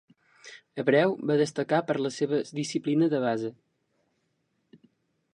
Abreu va destacar per la seva disciplina de base.